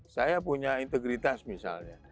saya punya integritas misalnya